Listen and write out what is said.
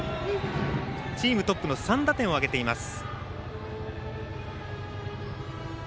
チームトップの３打点を挙げています。